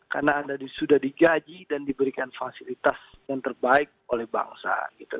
karena anda sudah digaji dan diberikan fasilitas yang terbaik oleh bangsa